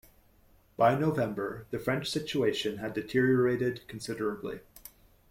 By November, the French situation had deteriorated considerably.